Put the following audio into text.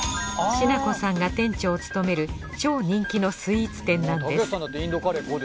しなこさんが店長を務める超人気のスイーツ店なんですいきます。